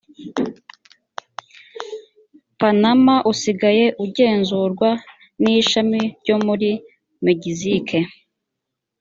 panama usigaye ugenzurwa n ishami ryo muri megizike